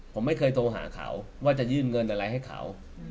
ผมไม่เคยโทรหาเขาว่าจะยื่นเงินอะไรให้เขา